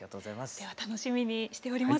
では楽しみにしております。